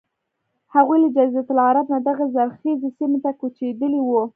هغوی له جزیرة العرب نه دغې زرخیزې سیمې ته کوچېدلي وو.